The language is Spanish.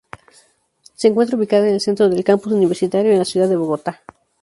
Se encuentra ubicada en centro del campus universitario en la ciudad de Bogotá.